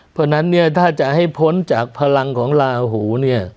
เพราะฉะนั้นถ้าจะให้พ้นจากพลังของลาอู